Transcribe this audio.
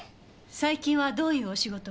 最近はどういうお仕事を？